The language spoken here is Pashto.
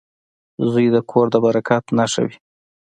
• زوی د کور د برکت نښه وي.